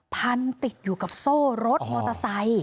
พันติดอยู่กับโซ่รถมอเตอร์ไซค์